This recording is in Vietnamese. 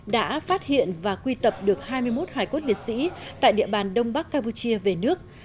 đã phát hiện và quy tập được hai mươi một hải cốt liệt sĩ tại địa bàn đông bắc campuchia về nước